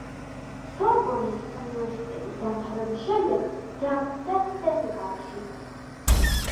სორბონის უნივერსიტეტის დამთავრების შემდეგ დაბრუნდა სენეგალში.